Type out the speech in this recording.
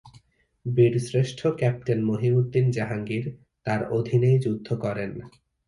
বীরশ্রেষ্ঠ ক্যাপ্টেন মহিউদ্দীন জাহাঙ্গীর তার অধীনেই যুদ্ধ করেন।